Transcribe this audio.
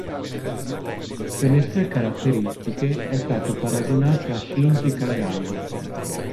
Per le sue caratteristiche è stato paragonato a Shinji Kagawa.